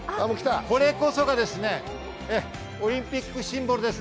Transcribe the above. これこそがオリンピックシンボルです。